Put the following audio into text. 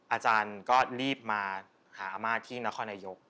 อาจารย์ก็รีบมาหาอาม่าที่นครนายก